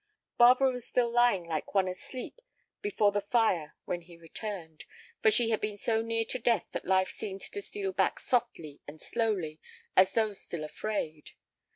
Barbara was still lying like one asleep before the fire when he returned, for she had been so near to death that life seemed to steal back softly and slowly as though still afraid.